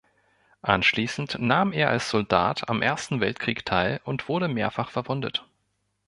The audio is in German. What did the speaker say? Anschließend nahm er als Soldat am Ersten Weltkrieg teil und wurde mehrfach verwundet.